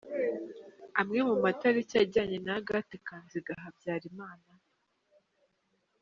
Amwe mu matariki ajyanye na Agathe Kanziga Habyarimana.